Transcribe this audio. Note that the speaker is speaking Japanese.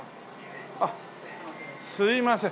あっすみません。